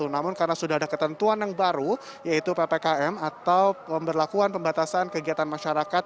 namun karena sudah ada ketentuan yang baru yaitu ppkm atau pemberlakuan pembatasan kegiatan masyarakat